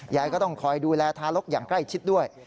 ยายก็ต้องคอยดูแลทารกอย่างใกล้ชิดด้วย